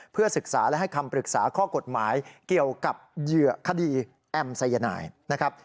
เพื่อศึกษาและให้คำปรึกษาข้อกฎหมายเกี่ยวกับเหยื่อคดีแอมสายนายนะครับ